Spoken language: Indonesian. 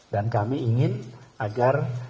dan kami ingin agar